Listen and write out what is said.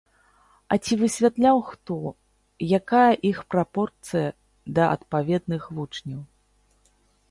А ці высвятляў хто, якая іх прапорцыя да адпаведных вучняў?